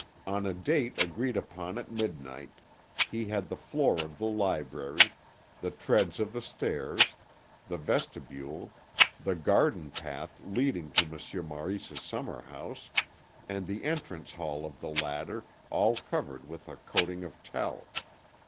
On a date agreed upon at midnight, he had the floor of the library, the treads of the stairs, the vestibule, the garden path leading to Monsieur Maurice's summer house, and the entrance hall of the latter, all covered with a coating of talc.